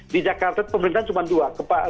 di jakarta itu pemerintahan cuma dua